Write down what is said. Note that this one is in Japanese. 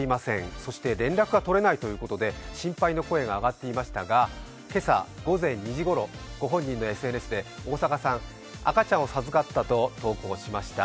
そして、連絡が取れないということで心配の声が上っていましたが、今朝午前２時ごろ、ご本人のＳＮＳで大坂さん、赤ちゃんを授かったと投稿しました。